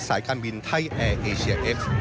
สายการบินไทยแอร์เอเชียเอส